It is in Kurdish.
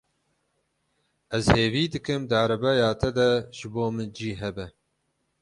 Ez hêvî dikim di erebeya te de ji bo min cî hebe.